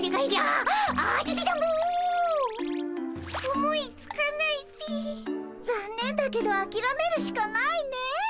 思いつかないっピ。ざんねんだけどあきらめるしかないね。